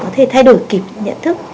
có thể thay đổi kịp nhận thức